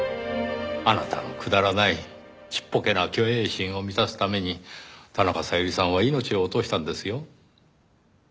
あなたのくだらないちっぽけな虚栄心を満たすために田中小百合さんは命を落としたんですよ。